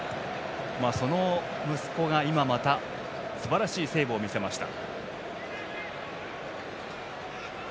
その息子が今またすばらしいセーブを見せました。